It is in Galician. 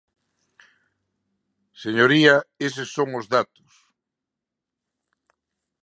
Señoría, eses son os datos.